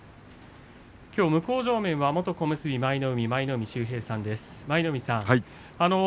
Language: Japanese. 向正面は元小結舞の海の舞の海秀平さんです。